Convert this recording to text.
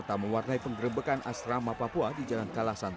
namun mereka memilih tetap bertahan